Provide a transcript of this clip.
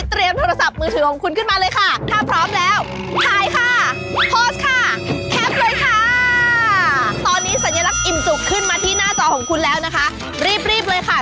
เตรียมโทรศัพท์มือฉุนของคุณขึ้นมาเลยค่ะ